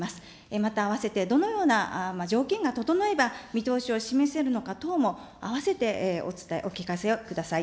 またあわせてどのような条件が整えば、見通しを示せるのか等も、あわせてお聞かせをください。